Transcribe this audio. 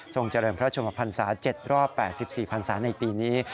เจริญพระชมพันศา๗รอบ๘๔พันศาในปีนี้